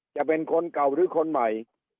จะเป็นคนเก่าหรือคนใหม่